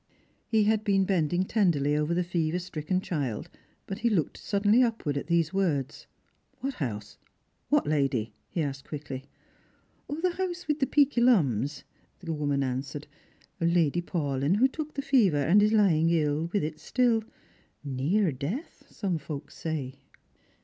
He had been bending tenderly over the fever stricken child, but he looked suddenly upward at these words. " What house ? what lady ?" he asked quickly. " The house with the peaky lums," the woman answered. *' Lady Paulyn, who took the fever, and is lying ill with it still ; near death, some folks say."